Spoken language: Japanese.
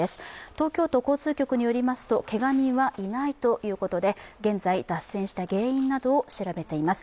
東京都交通局によりますと、けが人はいないということで、現在、脱線した原因などを調べています。